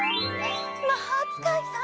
まほうつかいさん。